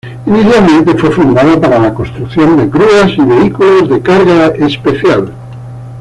Inicialmente fue fundada para la construcción de grúas y vehículos de carga especial.